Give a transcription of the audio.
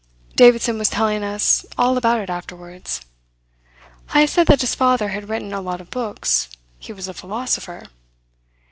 Davidson was telling us all about it afterwards. Heyst said that his father had written a lot of books. He was a philosopher.